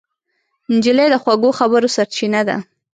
نجلۍ د خوږو خبرو سرچینه ده.